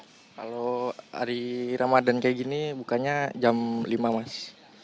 kalau hari ramadhan kayak gini bukanya jam lima mas